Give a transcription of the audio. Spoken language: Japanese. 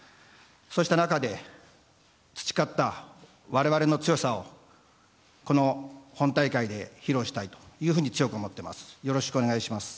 そうした中で培った我々の強さをこの本大会で披露したいというふうに強く思っています。